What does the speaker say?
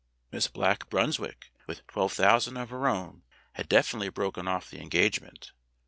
Miss Black Brunswick (with twelve thousand of her own) had definitely broken off the engagement.